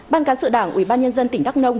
ban cán sự đảng ủy ban nhân dân tỉnh đắk nông